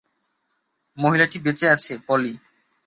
মহিলাটি বেঁচে আছে, পলি।